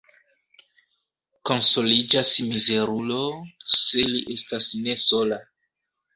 Konsoliĝas mizerulo, se li estas ne sola.